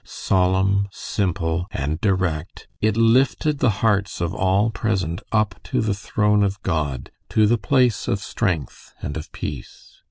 Solemn, simple, and direct, it lifted the hearts of all present up to the throne of God, to the place of strength and of peace.